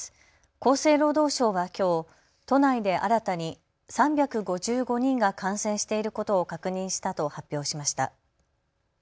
厚生労働省はきょう都内で新たに３５５人が感染していることを確認したと発表しました。